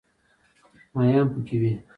ماهیان پکې وي.